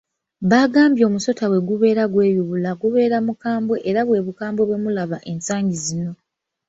Bagambye omusota bwe gubeera nga gweyubula gubeera mukambwe era bwe bukambwe bwe mulaba ensangi zino.